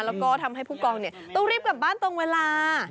แล้วก็ทำให้ผู้กองต้องรีบกลับบ้านตรงเวลา